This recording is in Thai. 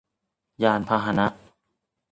ยานพาหนะ